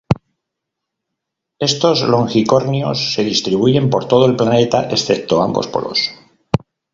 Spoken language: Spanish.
Estos longicornios se distribuyen por todo el planeta, excepto ambos polos.